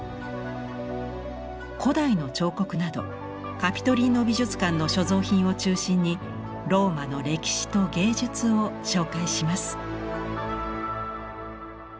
古代の彫刻などカピトリーノ美術館の所蔵品を中心にローマの歴史と芸術を紹介します。